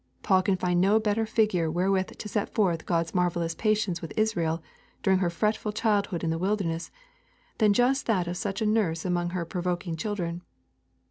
Paul can find no better figure wherewith to set forth God's marvellous patience with Israel during her fretful childhood in the wilderness, than just that of such a nurse among her provoking children.